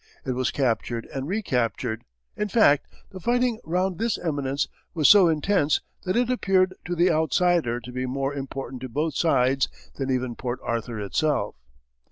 It was captured and re captured; in fact, the fighting round this eminence was so intense that it appeared to the outsider to be more important to both sides than even Port Arthur itself.